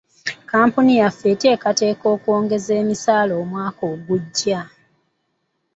Kkampuni yaffe eteekateeka okwongeza emisaala omwaka ogujja.